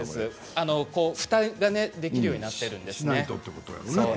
ふたができるようになっているんですよね。